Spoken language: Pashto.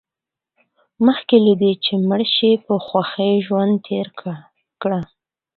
مخکې له دې چې مړ شئ په خوښۍ ژوند تېر کړئ.